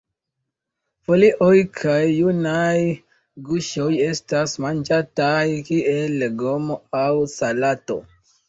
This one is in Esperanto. Folioj kaj junaj guŝoj estas manĝataj kiel legomo aŭ salato.